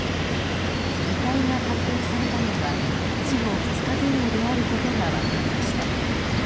遺体が発見されたのは死後２日前後であることが分かりました。